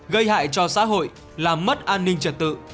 gây hại cho xã hội làm mất an ninh trật tự